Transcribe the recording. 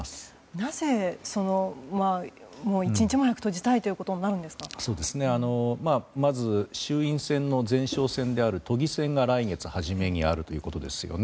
なぜ、一日も早く閉じたいということにまず衆院選の前哨戦である都議選が来月初めにあるということですよね。